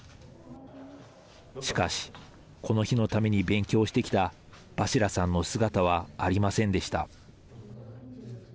しかしこの日のために勉強してきたバシラさんの姿はありませんでした。